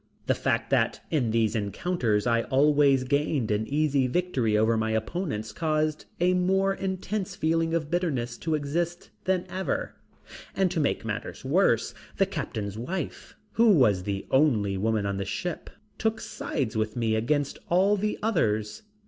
The fact that in these encounters I always gained an easy victory over my opponents caused a more intense feeling of bitterness to exist than ever, and to make matters worse the captain's wife, who was the only woman on the ship, took sides with me against all the others.